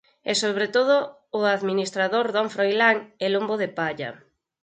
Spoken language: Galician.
E sobre todo o administrador don Froilán e Lombo de Palla.